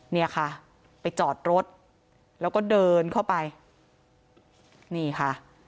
เนี่ยค่ะไปจอดรถแล้วก็เดินเข้าไปนี่ค่ะ